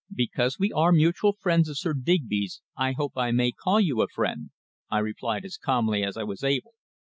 "Because we are mutual friends of Sir Digby's. I hope I may call you a friend," I replied, as calmly as I was able.